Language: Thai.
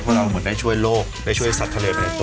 พวกเราได้ช่วยโลกได้ช่วยสัตว์ทะเลมานี้ตัว